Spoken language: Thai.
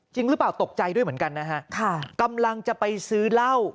จริงหรือเปล่าตกใจด้วยเหมือนกันนะฮะค่ะกำลังจะไปซื้อเหล้า